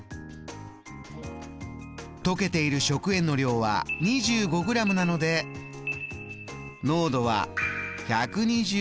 溶けている食塩の量は２５ｇなので濃度は。